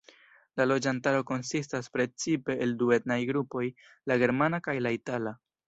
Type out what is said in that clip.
La loĝantaro konsistas precipe el du etnaj grupoj, la germana kaj la itala.